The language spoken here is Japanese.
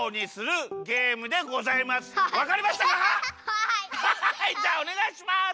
はいじゃあおねがいします！